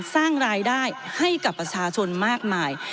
สร้างรายได้ให้กับประชาชนมากมาย